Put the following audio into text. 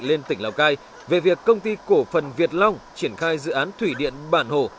lên tỉnh lào cai về việc công ty cổ phần việt long triển khai dự án thủy điện bản hồ